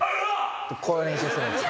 こういう練習するんです。